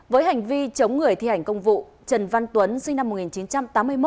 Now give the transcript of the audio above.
với hành vi chống người thi hành công vụ trần văn tuấn sinh năm một nghìn chín trăm tám mươi một